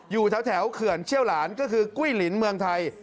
อยู่แถวเขื่อนเชี่ยวหลานก็คือกุ้ยลินเมืองไทย